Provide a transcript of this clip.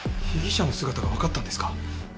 被疑者の姿がわかったんですか？